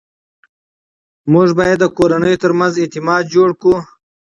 موږ باید د کورنۍ ترمنځ اعتماد جوړ کړو